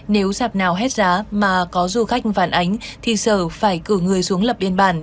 nếu dạp nào hết giá mà có du khách phản ánh thì sở phải cử người xuống lập biên bản